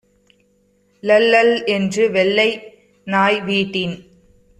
ளள் ளள் என்று வெள்ளை நாய், வீட்டின்